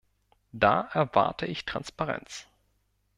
Da erwarte ich Transparenz.